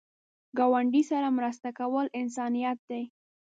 ګاونډي سره مرسته کول انسانیت دی